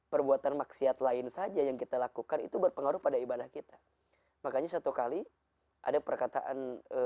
perbuatan maksiat lain saja yang kita lakukan itu berpengaruh pada ibadah kita makanya satu kali ada perkataan